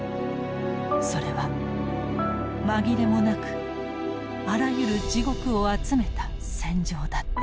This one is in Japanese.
それは紛れもなくあらゆる地獄を集めた戦場だった。